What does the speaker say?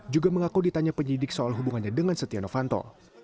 juga mengaku ditanya penyidik soal hubungannya dengan setia novanto